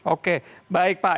oke baik pak